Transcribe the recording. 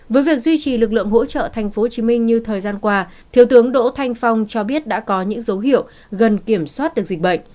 với việc duy trì lực lượng hỗ trợ tp hcm như thời gian qua thiếu tướng đỗ thanh phong cho biết đã có những dấu hiệu gần kiểm soát được dịch bệnh